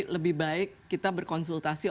lebih baik kita berkonsultasi